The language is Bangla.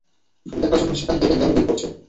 শুধু দেখার জন্য সেখানে কে কে নিলামে বিড করছে?